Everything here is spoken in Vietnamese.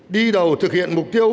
đi đầu thực hiện mục tiêu